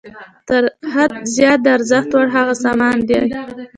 تر حد زیات د ارزښت وړ هغه سامان دی